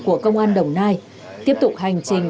của công an đồng nai tiếp tục hành trình